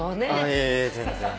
いえいえ全然。